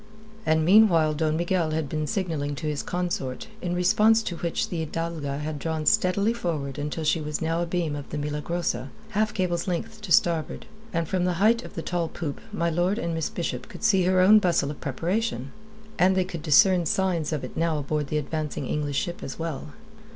And meanwhile Don Miguel had been signalling to his consort, in response to which the Hidalga had drawn steadily forward until she was now abeam of the Milagrosa, half cable's length to starboard, and from the height of the tall poop my lord and Miss Bishop could see her own bustle of preparation. And they could discern signs of it now aboard the advancing English ship as well.